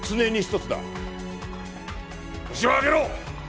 ホシを挙げろ！